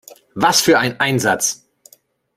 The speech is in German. Was für ein Einsatz!